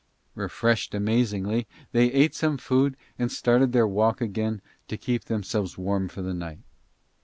Refreshed amazingly they ate some food and started their walk again to keep themselves warm for the night.